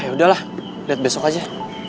ya udahlah lihat besok aja